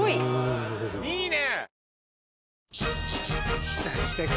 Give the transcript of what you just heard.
いいね！